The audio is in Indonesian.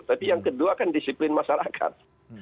tapi yang kedua kan disiplin masyarakat